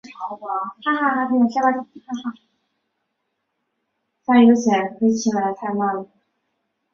铕的一些性质和其半满的电子层有很大的关系。